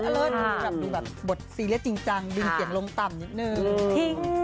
มันมีแบบดูแบบบทซีเรียสจริงจังดึงเสียงลงต่ำนิดนึง